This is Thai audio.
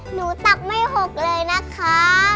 ตักไม่หกเลยนะคะ